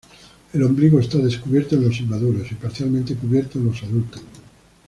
El ombligo está descubierto en los inmaduros y parcialmente cubierto en los adultos.